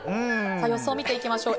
予想を見ていきましょう。